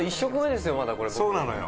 そうなのよ。